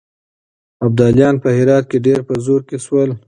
ابدالیان په هرات کې ډېر په زور کې شول.